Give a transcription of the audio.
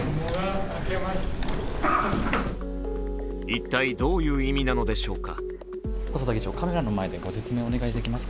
一体どういう意味なのでしょうか。